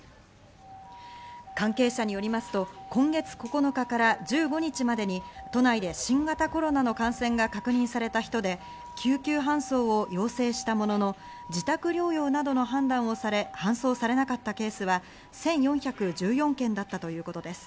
関係者によりますと、今月９日から１５日までに都内で新型コロナの感染が確認された人で救急搬送を要請したものの、自宅療養などの判断をされ、搬送されなかったケースは１４１４件だったということです。